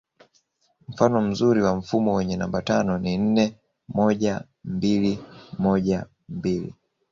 Mfano mzuri wa mfumo wenye namba tano ni nne moja mbili moja mbili